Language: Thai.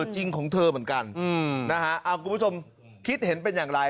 จริงของเธอเหมือนกันนะฮะคุณผู้ชมคิดเห็นเป็นอย่างไร